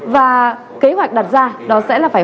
và kế hoạch đặt ra đó sẽ là phải